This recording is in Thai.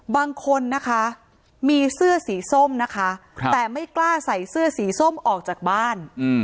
บางคนนะคะมีเสื้อสีส้มนะคะแต่ไม่กล้าใส่เสื้อสีส้มออกจากบ้าน